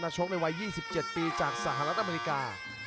ชกในวัย๒๗ปีจากสหรัฐอเมริกา